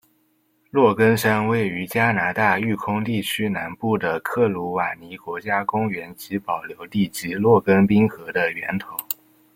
洛根山位于加拿大育空地区南部的克鲁瓦尼国家公园及保留地及洛根冰河的源头。